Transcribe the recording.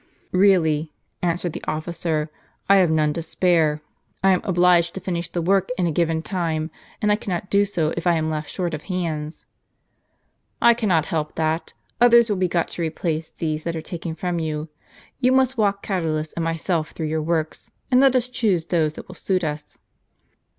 " Really," answered the officer, " I have none to spare. I am obliged to finish the work in a given time, and I cannot do so, if I aui left short of hands." "I cannot help that; others will be got to replace those that are taken from you. You must walk Catulus and myself through your works, and let us choose those that will suit us."